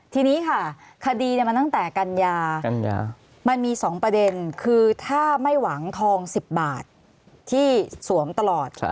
ทีนี้ค่ะคดีมันตั้งแต่มันมี๒ประเด็นคือถ้าไม่หวังทอง๑๐บาทที่สวมตลอด